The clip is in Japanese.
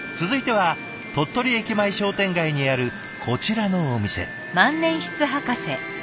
続いては鳥取駅前商店街にあるこちらのお店。